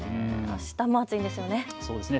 あしたも暑いんですよね。